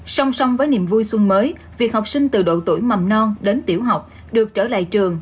song song với niềm vui xuân mới việc học sinh từ độ tuổi mầm non đến tiểu học được trở lại trường